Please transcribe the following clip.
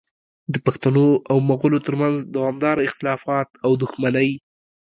د پښتنو او مغولو ترمنځ دوامداره اختلافات او دښمنۍ